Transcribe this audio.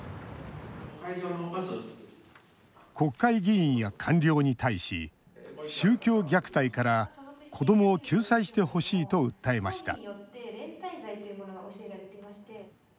国会議員や官僚に対し宗教虐待から子どもを救済してほしいと訴えました